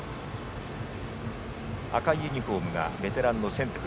赤いユニフォームがベテランのシェントゥフ。